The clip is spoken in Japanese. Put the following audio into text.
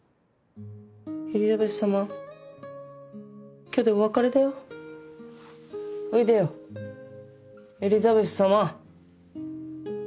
エリザベスさま今日でお別れだよおいでよエリザベスさま！